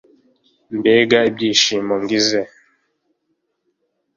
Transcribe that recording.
mbega ibyishimo gize!